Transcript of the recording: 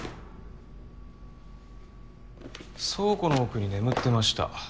倉庫の奥に眠ってました。